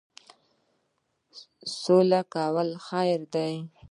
سوله کول خیر دی